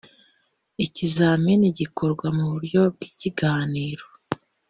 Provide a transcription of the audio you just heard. Ikizamini gikorwa mu buryo bw ikiganiro